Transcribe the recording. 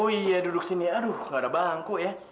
oh iya duduk sini aduh gak ada bangku ya